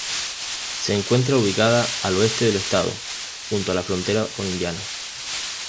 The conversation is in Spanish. Se encuentra ubicada al oeste del estado, junto a la frontera con Indiana.